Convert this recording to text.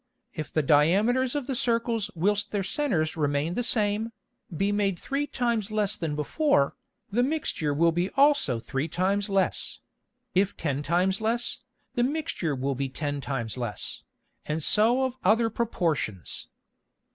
If the Diameters of the Circles whilst their Centers remain the same, be made three times less than before, the Mixture will be also three times less; if ten times less, the Mixture will be ten times less, and so of other Proportions.